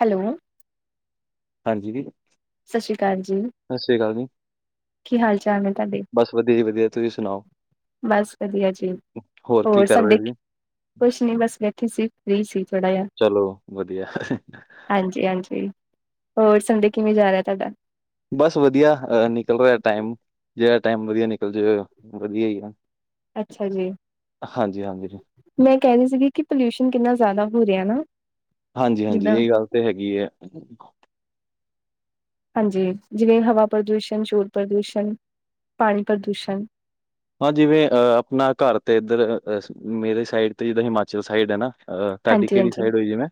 Hello. ਹਾਂਜੀ ਦੀ। ਸਤਿ ਸ਼੍ਰੀ ਅਕਾਲ ਜੀ। ਸਤਿ ਸ਼੍ਰੀ ਅਕਾਲ ਜੀ। ਕੀ ਹਾਲ ਚਾਲ ਏ ਤੁਹਾਡੇ? ਬਸ ਵਧੀਆ ਜੀ ਵਧੀਆ ਤੁਸੀਂ ਸੁਣਾਓ? ਬਸ ਵਧੀਆ ਜੀ ਕੀ ਹੋਰ ਕਰ ਰਹੇ ਸੰਡੇ ਕਿ ਸੀ? ਕੁਛ ਨ ਨਹੀਂ ਬਸ ਬੈਠੀ ਸੀ ਫ੍ਰਰੀ ਸੀ ਥੋੜਾ ਜਿਹਾ। ਚਲੋ ਵਧੀਆ ਹਾਂਜੀ, ਹਾਂਜੀ ਹੋਰ ਸਡੇ ਕਿਵੇਂ ਜਾ ਰਿਹਾ ਤੁਹਾਡਾ। ਬਸ ਵਧੀਆ ਨਿਕਲ ਰਿਹਾ ਟਾਈਮ ਜਿਹੜਾ ਟਾਈਮ ਵਧੀਆ ਨਿਕਲ ਜਵੈ ਵਧੀਆ ਈ ਐ ਅੱਛਾ ਜੀ, ਹਾਂਜੀ-ਹਾਂਜੀ। ਮੈਂ ਕਹਿ ਰਹੀ ਸੀਗੀ ਕਿ ਪੋਲਿਊਸ਼ਨ ਕਿੰਨਾ ਜ਼ਿਆਦਾ ਹੋ ਰਿਹਾ ਨਾ। ਹਾਂਜੀ, ਹਾਂਜੀ ਜਿੱਦਾਂ ਇਹ ਗੱਲ ਤੇ ਹੈਗੀ ਏ। ਹਾਂਜੀ, ਜਿਵੇਂ ਹਵਾ ਪ੍ਰਦੂਸ਼ਣ, ਸ਼ੋਰ ਪ੍ਰਦੂਸ਼ਣ, ਪਾਣੀ ਪ੍ਰਦੂਸ਼ਣ। ਹਾਂ ਜਿਵੇਂ ਅ ਆਪਣਾ ਘਰ ਤੇ ਇੱਧਰ ਮੇਰੇ ਸਾਈਡ ਤੇ ਜਿੱਦਾਂ ਹਿਮਾਚਲ ਸਾਈਡ ਹੈ ਨਾ ਅ ਤੁਹਾਡੀ ਕਿੜੀ ਹਾਂਜੀ-ਹਾਂਜੀ। ਸਾਈਡ ਹੋਈ ਜਿਵੇਂ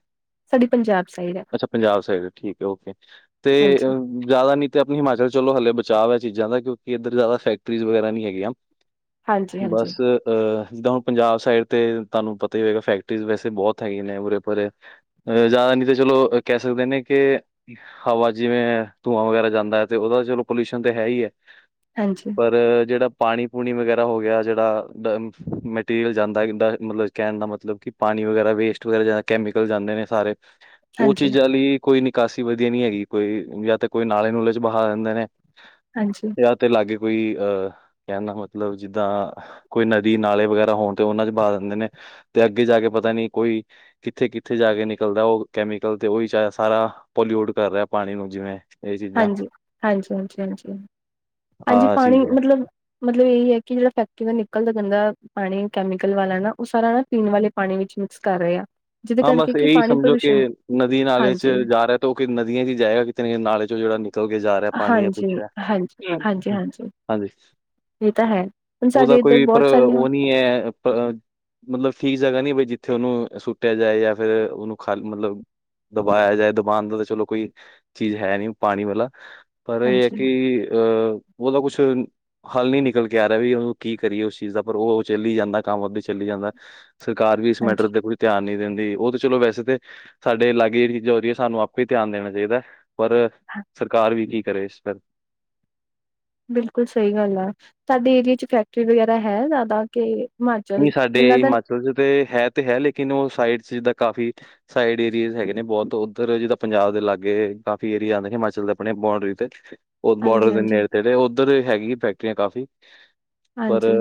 ਸਾਡੀ ਪੰਜਾਬ ਸਾਈਡ ਹੈ। ਅੱਛਾ ਪੰਜਾਬ ਸਾਈਡ ਠੀਕ ਹੈ ਓਕੇ ਤੇ ਹਾਂਜੀ, ਜ਼ਿਆਦਾ ਨੀ ਤੇ ਆਪਣੀ ਹਿਮਾਚਲ ਚਲੋ ਹਲੇ ਬਚਾਵ ਹੈ, ਚੀਜ਼ਾਂ ਦਾ ਕਿਉਂਕਿ ਇੱਧਰ ਜ਼ਿਆਦਾ ਫੈਕਟਰੀਜ਼ ਵਗੈਰਾ ਨੀ ਹੈਗੀਆਂ। ਹਾਂਜੀ-ਹਾਂਜੀ, ਬਸ। ਅ ਡੋਓਂਨ ਪੰਜਾਬ ਸਾਈਡ ਤੇ ਤੁਹਾਨੂੰ ਪਤਾ ਹੀ ਹੋਏਗਾ, ਫੈਕਟਰੀ ਵੈਸੇ ਬਹੁਤ ਹੈਗੇ ਨੇ ਉਰੇ, ਪਰੇ ਅ ਜ਼ਿਆਦਾ ਨਹੀਂ ਤੇ ਚਲੋ ਕਹਿ ਸਕਦੇ ਨੇ ਕੇ ਹਵਾ ਜਿਵੇਂ ਧੂੰਆਂ ਵਗ਼ੈਰਾ ਜਾਂਦਾ ਹੈ, ਤੇ ਉਹਦਾ ਚਲੋ ਪੋਲਿਊਸ਼ਨ ਤਾਂ ਹੈ ਹੀ ਹੈ। ਹਾਂਜੀ। ਪਰ ਜਿਹੜਾ ਪਾਣੀ ਹੂਣੀ ਵਗੈਰਾ ਹੋ ਗਿਆ, ਜਿਹੜਾ ਡ ਮਟੀਰੀਅਲ ਜਾਂਦਾ ਡ ਮਤਲਬ ਕਹਿਣ ਦਾ ਮਤਲਬ ਕਿ ਪਾਣੀ ਵਗੈਰਾ ਵੇਸਟ ਵਗੈਰਾ ਕੈਮੀਕਲ ਜਾਂਦੇ ਨੇ ਸਾਰੇ। ਉਹ ਹਾਂਜੀ, ਹਾਂਜੀ, ਚੀਜ਼ਾਂ ਲਈ ਕੋਈ ਨਿਕਾਸੀ ਵਧੀਆ ਨਹੀਂੀ ਹੈਗੀ ਕੋਈ ਜਾਂ ਤਾਂ ਕੋਈ ਨਾਲੇ ਨੂਲੇ ਚ ਬਹਾ ਦਿੰਦੇ ਨੇ ਹਾਂਜੀ ਵਿਆਹ ਤੇ ਲਾਗੇ ਕੋਈ ਅਹ ਕਹਿੰਦਾ ਮਤਲਬ ਜਿੱਦਾਂ ਕੋਈ ਨਦੀ ਨਾਲੇ ਵਗੈਰਾ ਹੋਣ ਤੇ ਉਹਨਾਂ ਚ ਪਾ ਦਿੰਦੇ ਨੇ ਤੇ ਅੱਗੇ ਜਾ ਕੇ ਪਤਾ ਨੀ ਕੋਈ ਕਿੱਥੇ ਕਿੱਥੇ ਜਾ ਕੇ ਨਿਕਲਦਾ ਉਹ ਕੈਮੀਕਲ ਤੇ ਉਹੀ ਚ ਸਾਰਾ ਪੋਲਿਊਟ ਕਰ ਰਿਹਾ ਪਾਣੀ ਨੂੰ ਜਿਵੇਂ ਇਹ ਚੀਜ਼ਾਂ ਹਾਂਜੀ ਹਾਂਜੀ ਹਾਂਜੀ ਹਾਂਜੀ ਹਾਂਜੀ ਆਹ ਪਾਣੀ ਚੀਜ਼ ਹੈ ਮਤਲਬ ਮਤਲਬ ਇਹਹੀ ਹੈ ਕਿ ਜਿਹੜਾ ਫੈਕਟਰੀ ਦਾ ਨਿਕਲਦਾ ਗੰਦਾ ਪਾਣੀ ਕੈਮੀਕਲ ਵਾਲਾ ਨਾ ਉਹ ਸਾਰਾ ਨਾ ਪੀਣ ਵਾਲੇ ਪਾਣੀ ਵਿੱਚ ਮਿਕਸ ਕਰ ਰਹੇ ਆ ਜਿਹਦੇ ਹਾਂ ਕਰਕੇ ਬਸ ਕਿ ਇਹੀ ਪਾਣੀ ਸਮਝੋ ਕਿ ਪ੍ਰਦੂਸ਼ਣ ਨਦੀ ਨਾਲੇ ਚ ਹਾਂਜੀ ਜਾ ਰਿਹਾ, ਤੇ ਉਹ ਕਿ ਨਦੀਆਂ ਚ ਜਾਏਗਾ ਕਿਤੇ ਨਾ ਕਿਤੇ ਨਾਲੇ ਚ ਜਿਹੜਾ ਨਿਕਲ ਨਿਕਲ ਕੇ ਜਾ ਰਿਹਾ ਪਾਣੀ ਹੈ ਹਾਂਜੀ ਕੁਛ ਹੈ ਹਾਂਜੀ ਹਾਂਜੀ ਹਾਂਜੀ। ਇਹ ਤਾਂ ਹੈ ਹੁਣ ਉਹਦਾ ਸਾਡੇ ਇੱਧਰ ਕੋਈ ਪਰ ਬਹੁਤ ਸਾਰੀਆਂ ਉਹ ਮਤਲਬ ਠੀਕ ਜਗ੍ਹਾ ਨੀ ਬਈ ਜਿੱਥੇ ਉਹਨੂੰ ਸ਼ੂਟ ਕੁੱਟਿਆ ਜਾਏ ਜਾਂ ਫ਼ਿਰ ਉਹਨੂੰ ਖਾਲ ਮਤਲਬ ਦਬਾਇਆ ਜਾਏ ਦਬਾਉਣ ਦਾ ਤਾਂ ਚਲੋ ਕੋਈ ਚੀਜ਼ ਹੈ ਨੀ ਪਾਣੀ ਵਾਲਾ। ਪਰ ਇਹ ਹੈ ਹਾਂਜੀ ਕਿ, ਅਹ ਉਹ ਤਾਂ ਕੁਛ ਹੱਲ ਨੀ ਨਿਕਲ ਕੇ ਆ ਰਿਹਾ ਵੀ ਉਹਨੂੰ ਕੀ ਕਰੀਏ, ਉਸ ਚੀਜ਼ ਦਾ ਪਰ ਉਹ ਚੱਲੀ ਜਾਂਦਾ ਕੰਮ ਆਪਦੇ ਚੱਲੀ ਜਾਂਦਾ। ਸਰਕਾਰ ਵੀ ਇਸ ਹਾਂਜੀ ਮੈਟਰ ਦੇ ਕੋਇ ਧਿਆਨ ਨਹੀਂ ਦਿੰਦੀ, ਉਹ ਤੇ ਚਲੋ ਵੈਸੇ ਤੇ ਸਾਡੇ ਲਾਗੇ ਜਹੜੀ ਚੀਜ਼ਾਂ ਹੋਦੀ ਹੈ ਸਾਨੂੰ ਆਪੇ ਹੀ ਧਿਆਨ ਦੇਣਾ ਚਾਹੀਦਾ ਹੈ। ਪਰ ਹਾਂ ਸਰਕਾਰ ਵੀ ਕੀ ਕਰੇ ਇਸ ਫ ਬਿਲਕੁਲ ਸਹੀ ਗੱਲ ਆ ਸਾਡੇ ਏਰੀਏ ਚ ਫੈਕਟਰੀ ਵਗੈਰਾ ਹੈ ਜ਼ਿਆਦਾ ਕੇ ਮਨ ਨਹੀਂ ਸਾਡੇ ਹਿਮਾਚਲ ਚ ਤੇ ਹੈ ਤੇ ਹੈ ਲੇਕਿਨ ਉਹ ਸਾਈਡ ਚ ਜਿੱਦਾਂ ਕਾਫੀ ਸਾਈਡ ਏਰੀਏ ਹੈਗੇ ਨੇ ਬਹੁਤ ਉੱਧਰ ਜਿੱਦਾਂ ਪੰਜਾਬ ਦੇ ਲਾਗੇ ਕਾਫੀ ਏਰੀਆ ਆਂਦੇ ਨੇ ਹਿਮਾਲ ਦੇ ਆਪਣੇ ਬਂਡਰੀ ਤੇ ਉਹ ਹਾਂਜੀ ਬਾਰਡਰ ਦੇ ਹਾਂਜੀ ਨੇੜ ਤੇੜ ਉੱਧਰ ਹੈਗੀ ਫੈਕਟਰੀਆਂ ਕਾਫ਼ੀ ਪਰ ਹਾਂਜੀ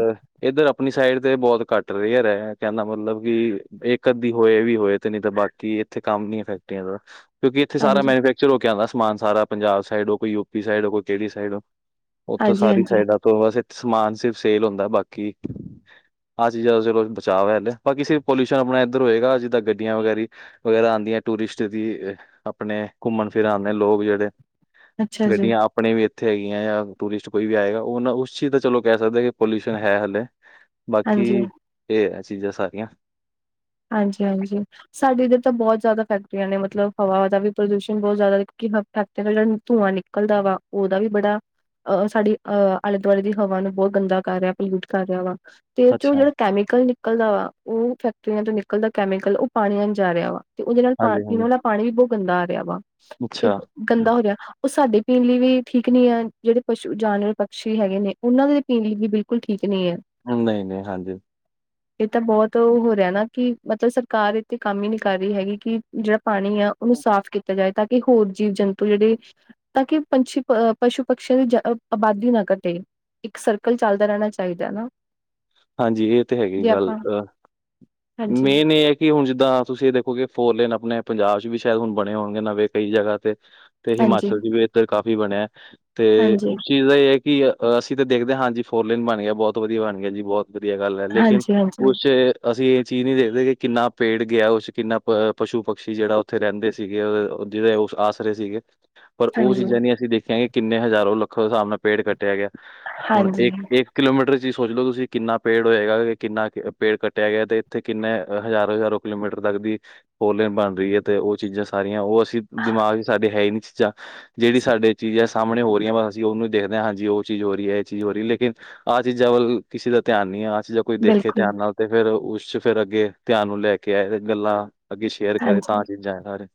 ਇੱਧਰ ਆਪਣੀ ਸਾਈਡ ਤੇ ਬਹੁਤ ਘੱਟ ਰੇਅਰ ਹੈ ਕਹਿਣ ਦਾ ਮਤਲਬ ਕਿ ਇੱਕ ਅੱਧੀ ਹੋਏ ਵੀ ਹੋਏ ਤੇ ਨਹੀਂ ਤਾਂ ਬਾਕੀ ਇੱਥੇ ਕੰਮ ਨੀ ਹੈ ਫੈਕਟਰੀਆਂ ਦਾ ਕਿਉਂਕਿ ਇੱਥੇ ਸਾਰ ਹਾਂਜੀ ਮੈਨੂਫੈਕਚਰ ਹੋ ਕੇ ਆਉਂਦਾ ਸਮਾਨ ਸਾਰਾ ਪੰਜਾਬ ਸਾਈਡ ਹੋ ਕੋਈ ਯੂਪੀ ਸਾਈਡ ਕੋਈ ਕਿਹੜੀ ਸਾਈਡ ਹੋ ਉੱਥੋਂ ਹਾਂਜੀ ਸਾਰੀ ਹਾਂਜੀ ਸਾਈਡਾਂ ਤੋਂ ਬਸ ਸਮਾਨ ਸਿਰਫ ਸੇਲ ਹੁੰਦਾ ਬਾਕੀ ਆਹ ਚੀਜ਼ਾਂ ਦਾ ਚਲੋ ਬਚਾ ਹੋ ਜਾਂਦਾ ਬਾਕੀ ਪੋਲਿਸ਼ਨ ਆਪਣਾ ਇੱਧਰ ਹੋਏਗਾ ਜਿੱਦਾਂ ਗੱਡੀਆਂ ਵਗੈਰੀ ਵਗੈਰਾ ਆਉਂਦੀਆਂ ਟੂਰਿਸਟ ਦੀ ਆਪਣੇ ਘੁੰਮਣ ਫਿਰਨ ਆਂਦੇ ਲੋਕ ਜਿਹੜੇ ਅੱਛਾ ਜੀ ਗੱਡੀਆਂ ਆਪ ਆਪਣੇ ਵੀ ਇੱਥੇ ਹੈਗੀ ਆ ਜਾਂ ਟੂਰਿਸਟ ਕੋਈ ਵੀ ਆਏਗਾ ਉਹ ਉਸ ਚੀਜ਼ ਦਾ ਚਲੋ ਕਹਿ ਸਕਦੇ ਹੈ ਕਿ ਪੋਲਿਊਸ਼ਨ ਹੈ ਹਲੇ ਬਾਕੀ ਹਾਂਜੀ ਇਹ ਹੈ ਚੀਜ਼ਾਂ ਸਾਰੀਆਂ ਹਾਂਜੀ ਹਾਂਜੀ ਸਾਡੇ ਇੱਧਰ ਤਾਂ ਬਹੁਤ ਜ਼ਿਆਦਾ ਫੈਕਟਰੀਆਂ ਨੇ ਮਤਲਬ ਹਵਾ ਦਾ ਵੀ ਪ੍ਰਦੂਸ਼ਣ ਬਹੁਤ ਜ਼ਿਆਦਾ ਕੀ ਫੈਕਟਰੀਆਂ ਤੋਂ ਜਿਆਦਾ ਧੂੰਆਂ ਨਿਕਲਦਾ ਉਹਦਾ ਵੀ ਬੜਾ ਅਹ ਸਾਡੀ ਅਹ ਆਲੇ ਦੁਆਲੇ ਦੀ ਹਵਾ ਨੂੰ ਬਹੁਤ ਗੰਦਾ ਕਰ ਰਿਹਾ ਪਲੂਟ ਕਰ ਰਿਹਾ ਵਾ ਤੇ ਚੋਂ ਅੱਛਾ ਜਿਹੜਾ ਕੈਮੀਕਲ ਨਿਕਲਦਾ ਵਾ ਉਹ ਫੈਕ ਫੈਕਟਰੀਆਂ ਤੋਂ ਨਿਕਲਦਾ ਕੈਮੀਕਲ ਉਹ ਪਾਣੀਆਂ ਜਾ ਰਿਹਾ ਵਾ ਤੇ ਉਹਦੇ ਨਾਲ ਹਾਂਜੀ ਹਾਂਜੀ ਪਾਣੀ ਵੀ ਬਹੁਤ ਗੰਦਾ ਆ ਰਿਹਾ ਵਾ ਤੇ ਅੱਛਾ ਗੰਦਾ ਹੋ ਗਿਆ ਉਹ ਸਾਡੇ ਪੀਣ ਲਈ ਵੀ ਠੀਕ ਨਹੀਂ ਹੈ ਜਿਹੜੇ ਪਸ਼ੂ ਜਾਨਵਰ ਪਕਸ਼ੀ ਹੈਗੇ ਨੇ ਉਹਨਾਂ ਦੇ ਪੀਣ ਲਈ ਵੀ ਬਿਲਕੁਲ ਠੀਕ ਨਹੀਂ ਹੈ। ਨਹੀਂ ਨਹੀਂ ਹਾਂਜੀ ਇਹ ਤਾਂ ਬਹੁਤ ਉਹ ਹੋ ਰਿਹਾ ਨਾ ਕਿ ਮਤਲਬ ਸਰਕਾਰ ਇੱਥੇ ਕੰਮ ਹੀ ਨਹੀਂ ਕਰ ਰਹੀ ਹੈਗੀ ਕਿ ਜਿਹੜਾ ਪਾਣੀ ਆ ਉਹਨੂੰ ਸਾਫ਼ ਕੀਤਾ ਜਾਏ ਤਾਂ ਕਿ ਹੋਰ ਜੀਵ ਜੰਤੂ ਜਿਹੜੇ ਤਾਂ ਕਿ ਪੰਛੀ ਪਸ਼ੂ ਪਕਸ਼ੀਆਂ ਦੀ ਆਬਾਦੀ ਨਾ ਘਟੇ ਇੱਕ ਸਰਕਲ ਚੱਲਦਾ ਰਹਿਣਾ ਚਾਹੀਦਾ ਨਾ ਹਾਂਜੀ ਇਹ ਤੇ ਹੈਗੀ ਜੇ ਗੱਲ ਆਪਾਂ ਹਾਂਜੀ ਮੇਨ ਇਹ ਹੈ। ਕਿ ਹੁਣ ਜਿੱਦਾਂ ਤੁਸੀਂ ਇਹ ਦੇਖੋ ਕਿ ਫੋਰਲੇਨ ਆਪਣੇ ਪੰਜਾਬ ਚ ਵੀ ਸ਼ਾਇਦ ਹੁਣ ਬਣੇ ਹੋਣਗੇ ਨਵੇਂ ਕਈ ਜਗ੍ਹਾ ਤੇ ਤੇ ਹਾਂਜੀ ਹਿਮਾਚਲ ਚ ਵੀ ਇੱਧਰ ਕਾਫ਼ੀ ਬਣਿਆ ਤੇ ਹਾਂਜੀ ਉੱਛ ਚੀਜ਼ ਦਾ ਇਹ ਹੈ। ਕਿ ਅਸੀਂ ਤਾਂ ਦੇਖਦੇ ਹਾਂਜੀ ਫੋਰਲਨ ਬਣ ਗਿਆ! ਬਹੁਤ ਵਧੀਆ ਬਣ ਗਿਆ ਜੀ ਬਹੁਤ ਵਧੀਆ ਗੱਲ ਹੈ ਲੇਕਿਨ ਹਾਂਜੀ ਹਾਂਜੀ ਕੁੱਛ ਅਸੀਂ ਚੀਜ਼ ਨਹੀਂ ਦੇਖਦੇ ਕਿ ਕਿੰਨਾ ਪੇੜ ਗਿਆ। ਉਸ ਚੋ ਕਿੰਨਾ ਪਸ਼ੂ ਪੰਛੀ ਜਿਹੜਾ ਉੱਥੇ ਰਹਿੰਦੇ ਸੀਗੇ ਜਿਹਦੇ ਉਸ ਆਸ! ਸੀਗੇ ਪਰ ਉਹ ਹਾਂਜੀ ਚੀਜ਼ਾਂ ਨੀ ਅਸੀਂ ਦੇਖੀਆਂ ਕਿੰਨੇ ਹਜ਼ਾਰੋ ਲੱਖ ਦੇ ਹਿਸਾਬ ਨਾਲ ਪੇੜ ਕੱਟ ਕੱਟਿਆ ਗਿਆ ਹੁਣ ਹਾਂਜੀ ਇੱਕ -ਇੱਕ ਕਿਲੋਮੀਟਰ 'ਚ ਹੀ ਸੋਚ ਲਓ। ਤੁਸੀਂ ਕਿੰਨਾ ਪੇੜ ਹੋਇਆ ਜਾਏਗਾ ਕਿੰਨਾ ਪੇੜ ਕੱਟਿਆ ਗਿਆ ਤੇ ਤੇ ਕਿੰਨੇ ਹਜ਼ਾਰੋ, ਹਜ਼ਾਰੋ ਕਿਲੋਮੀਟਰ ਤੱਕ ਦੀ, ਹੋਰਲੇਨ ਬਣ ਰਹੀ। ਹੈ ਤੇ ਉਹ ਚੀਜ਼ਾਂ ਸਾਰੀਆਂ ਉਹ ਤੁਸੀਂ ਦਿਮਾਗ ਸਾਡੇ ਹੈ ਹੀ ਨੀ ਚੀਜ਼ਾਂ ਜਿਹੜੀ ਸਾਡੇ ਚੀਜ਼ ਹੈ ਸਾਹਮਣੇ ਹੋ ਰਹੀ ਅਸੀਂ ਉਹਨੂੰ ਦੇਖਦੇ! ਹਾਂਜੀ ਉਹ ਚੀਜ਼ ਹੋ ਰਹੀ। ਹੈ ਇਹ ਚੀਜ਼ ਹੋ, ਰਹੀ ਲੇਕਿਨ ਆਹ ਚੀਜ਼ਾਂ ਵੱਲ ਕਿਸੇ ਦਾ ਧਿਆਨ ਨਹੀਂ ਆ ਆਹ ਚੀਜ਼ਾਂ ਕੋਈ ਦੇਖੇ ਬਿਲਕੁਲ ਧਿਆਨ ਨਾਲ ਤੇ ਫਿਰ ਉਸ ਚ ਫਿਰ ਅੱਗੇ ਧਿਆਨ ਨੂੰ ਲੈ ਕੇ ਆਏ ਗੱਲਾਂ ਅੱਗੇ ਸ਼ੇਅਰੇ ਕਰੇ ਹਾਂਜੀ ਤਾਂ ਚੀਜ਼ਾਂ ਸਾਰੇ